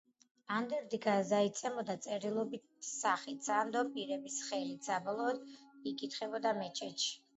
ანდერძი გადაეცემოდა წერილობითი სახით სანდო პირების ხელით და საბოლოოდ იკითხებოდა მეჩეთში.